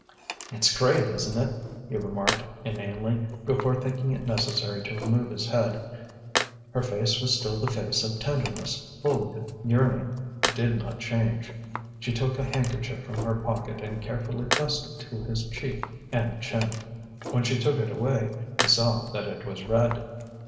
"It's great, isn't it!" he remarked inanely, before thinking it necessary to remove his head. Her face was still the face of tenderness, full of yearning. It did not change. She took a handkerchief from her pocket and carefully pressed it to his cheek and chin. When she took it away, he saw that it was red.